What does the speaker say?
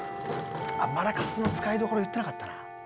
あっマラカスの使いどころ言ってなかったな。